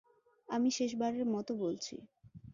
আমি শেষবারের মতো বলছি।